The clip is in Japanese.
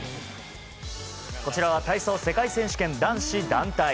こちらは体操世界選手権男子団体。